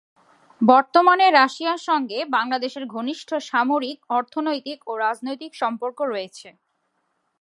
বর্তমানে রাশিয়ার সঙ্গে বাংলাদেশের ঘনিষ্ঠ সামরিক, অর্থনৈতিক ও রাজনৈতিক সম্পর্ক রয়েছে।